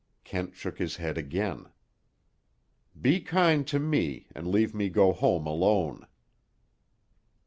Kent shook his head again. "Be kind to me, and leave me to go home alone."